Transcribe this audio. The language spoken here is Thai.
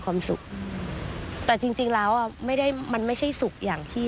ความสุขแต่จริงจริงแล้วอ่ะไม่ได้มันไม่ใช่สุขอย่างที่